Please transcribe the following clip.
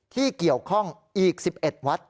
ที่เกี่ยวข้องอีก๑๑วัด